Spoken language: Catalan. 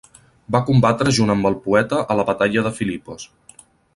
Va combatre junt amb el poeta a la batalla de Filipos.